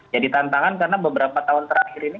jadi tantangan karena beberapa tahun terakhir ini